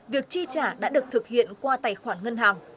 việc chi trả đã được thực hiện qua tài khoản ngân hàng